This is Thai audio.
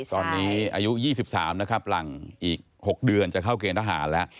ตอนนี้อายุ๒๓นะครับหลังอีก๖เดือนจะเข้าเกณฑหารแล้ว